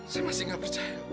saya masih gak percaya